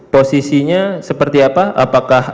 posisinya seperti apa apakah